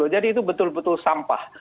jadi itu betul betul sampah